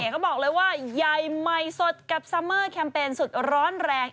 เขาบอกเลยว่าใหญ่ใหม่สดกับซัมเมอร์แคมเปญสุดร้อนแรง